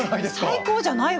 最高じゃないわよ。